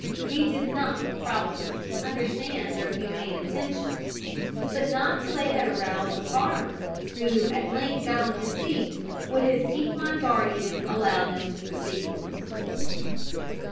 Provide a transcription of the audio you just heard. He did not, probably, understand their humane intentions; but not till they had aroused the farmer, who at length got on his feet, would his equine guardian allow them to proceed.